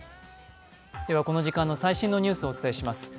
この時間の最新のニュースをお伝えします。